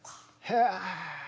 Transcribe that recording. へえ！